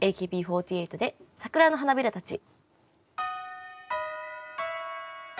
ＡＫＢ４８で「桜の花びらたち」。